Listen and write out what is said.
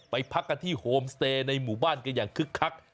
พักกันที่โฮมสเตย์ในหมู่บ้านกันอย่างคึกคัก